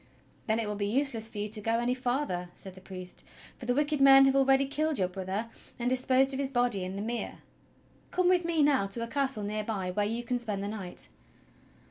"Then it will be useless for you to go any farther," said the priest, "for the wicked men have already killed your brother and disposed of his body in the mere. Come with me now to a castle near by where you can spend the night."